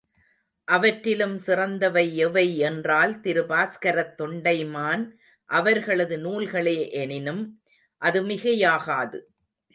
அவற்றிலும் சிறந்தவை எவை என்றால் திரு பாஸ்கரத் தொண்டைமான் அவர்களது நூல்களே எனினும் அது மிகையாகாது.